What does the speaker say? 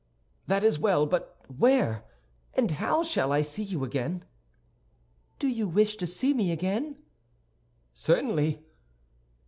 "That is well; but where and how shall I see you again?" "Do you wish to see me again?" "Certainly."